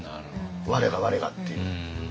我が我がっていう。